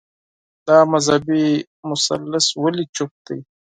دا مذهبي مثلث ولي چوپ دی